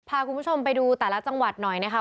พาคุณผู้ชมไปดูแต่ละจังหวัดหน่อยนะคะ